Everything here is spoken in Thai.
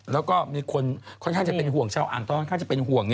แล้วก็มีคนค่อนข้างจะเป็นห่วงชาวอ่างตอนค่อนข้างจะเป็นห่วง